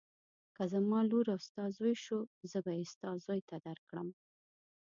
که زما لور او ستا زوی شو زه به یې ستا زوی ته درکړم.